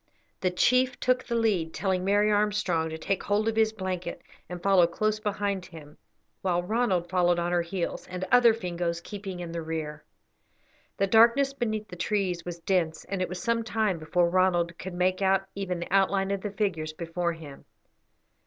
The chief took the lead, telling Mary Armstrong to take hold of his blanket and follow close behind him, while Ronald followed on her heels, the other Fingoes keeping in the rear. The darkness beneath the trees was dense, and it was some time before Ronald could make out even the outline of the figures before him.